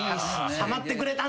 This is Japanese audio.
ハマってくれたんだ！みたいな。